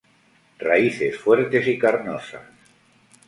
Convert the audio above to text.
Raíces fuertes y carnosas.